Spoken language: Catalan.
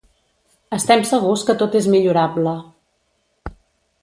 Estem segurs que tot és millorable.